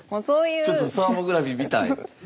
ちょっとサーモグラフィー見たい。